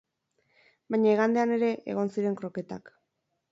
Baina igandean ere, egon ziren kroketak.